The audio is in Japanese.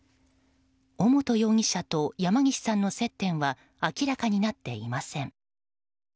尾本容疑者と山岸さんの接点は明らかになっていません。